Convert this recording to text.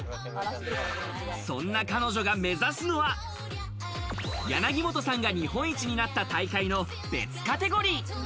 そんな彼女が目指すのは柳本さんが日本一になった大会の別カテゴリー。